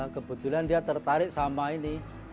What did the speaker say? kebetulan dia tertarik sama ini